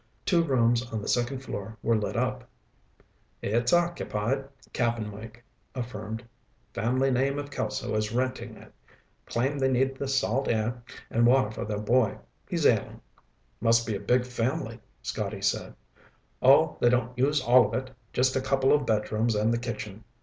Two rooms on the second floor were lit up. "It's occupied," Cap'n Mike affirmed. "Family name of Kelso is renting it. Claim they need the salt air and water for their boy. He's ailing." "Must be a big family," Scotty said. "Oh, they don't use all of it. Just a couple of bedrooms and the kitchen.